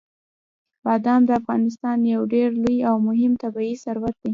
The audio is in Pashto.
بادام د افغانستان یو ډېر لوی او مهم طبعي ثروت دی.